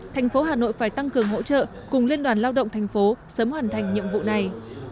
tp hà nội phải tăng cường hỗ trợ cùng liên đoàn lao động tp sớm hoàn thành nhiệm vụ này